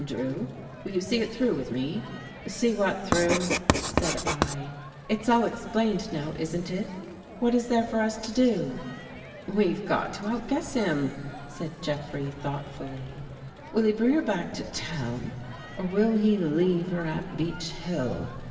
Drew? Will you see it through with me? " "See what through?" said I. "It's all ex plained now. Isn't It? What Is there for us to do?" " We've got to outguess him," said Jeffrey thoughtfully. " Will he bring her back to town, or will he leave her at Beech Hill?